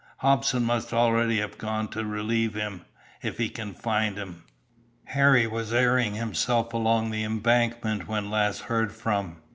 Hobson must already have gone to relieve him, if he can find him. Harry was airing himself along the embankment when last heard from."